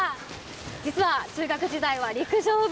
実は、中学時代は陸上部。